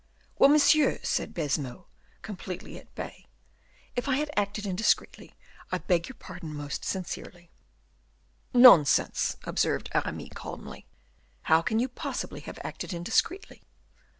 "Well, monsieur," said Baisemeaux, completely at bay, "if I have acted indiscreetly, I beg your pardon most sincerely." "Nonsense," observed Aramis calmly: "how can you possibly have acted indiscreetly?"